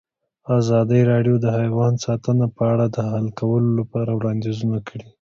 ازادي راډیو د حیوان ساتنه په اړه د حل کولو لپاره وړاندیزونه کړي.